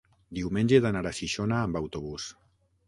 Diumenge he d'anar a Xixona amb autobús.